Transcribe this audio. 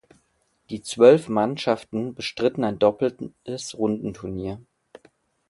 Die zwölf Mannschaften bestritten ein doppeltes Rundenturnier.